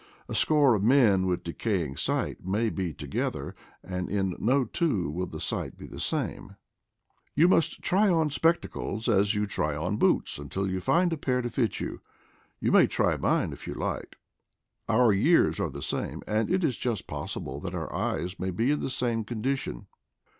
A score of men with decaying sight may be together, and in no two will the sight be the same. You must try on spectacles, as you 162 IDLE DAYS IN PATAGONIA try on boots, until you find a pair to fit you. You may try mine if you like ; our years are the same, and it is just possible that our eyes may be in the same condition."